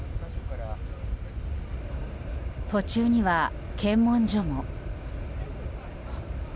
途中には、検問所も。